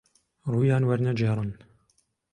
ڕوویان وەرنەگێڕن